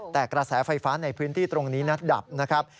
แต่กระแสไฟฟ้าในพื้นที่ตรงนี้นัดดับนะครับ